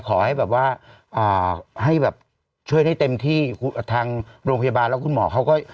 ขอให้แบบว่าให้แบบช่วยได้เต็มที่ทางโรงพยาบาลแล้วคุณหมอเขาก็